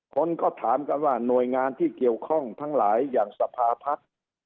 คนก็ถามกันว่าหน่วยงานที่เกี่ยวข้องทั้งหลายอย่างสภาพัฒน์